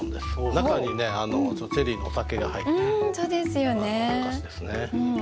中にねチェリーのお酒が入ってるお菓子ですね。